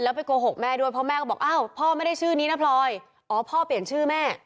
ไปโกหกแม่ด้วยเพราะแม่ก็บอกอ้าวพ่อไม่ได้ชื่อนี้นะพลอยอ๋อพ่อเปลี่ยนชื่อแม่